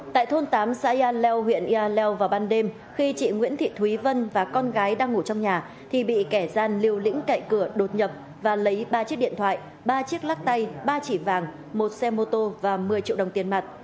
tại thôn tám xã yà leo huyện yà leo vào ban đêm khi chị nguyễn thị thúy vân và con gái đang ngủ trong nhà thì bị kẻ gian liều lĩnh cậy cửa đột nhập và lấy ba chiếc điện thoại ba chiếc lắc tay ba chỉ vàng một xe mô tô và một mươi triệu đồng tiền mặt